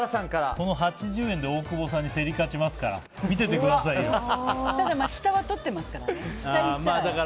この８０円で大久保さんに競り勝ちますからただ、下はとってますから。